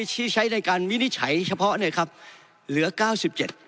ที่ใช้ในการวินิจฉัยเฉพาะนะครับเหลือ๙๗บาท